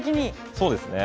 そうですね。